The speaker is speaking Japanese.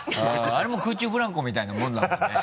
あれも空中ブランコみたいなものだもんね。